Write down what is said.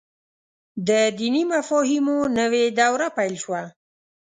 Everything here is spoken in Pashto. د دیني مفاهیمو نوې دوره پيل شوه.